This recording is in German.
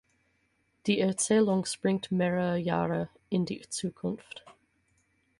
Die Erzählung springt mehrere Jahre in die Zukunft.